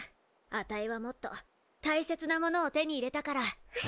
あたいはもっと大切なものを手に入れたから。